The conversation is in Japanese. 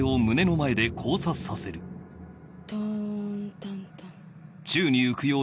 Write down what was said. トーンタンタン。